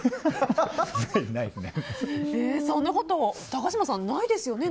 そんなこと、高嶋さんないですよね。